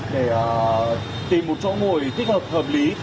để tìm một chỗ ngồi thích hợp hợp lý